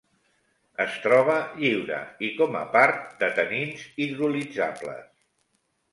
Es troba lliure i com a part de tanins hidrolitzables.